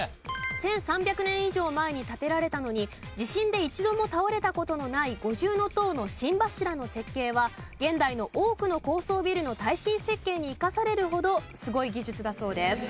１３００年以上前に建てられたのに地震で一度も倒れた事のない五重塔の心柱の設計は現代の多くの高層ビルの耐震設計に生かされるほどすごい技術だそうです。